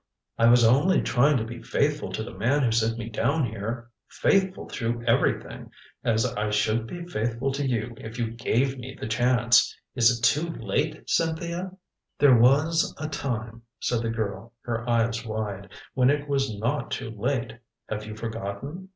I was only trying to be faithful to the man who sent me down here faithful through everything as I should be faithful to you if you gave me the chance. Is it too late Cynthia " "There was a time," said the girl, her eyes wide, "when it was not too late. Have you forgotten?